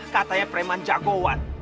katanya preman jagoan